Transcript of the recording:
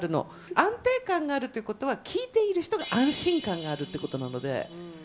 安定感があるってことは、聞いている人が安心感があるということなので。